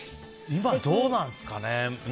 今どうなんですかね。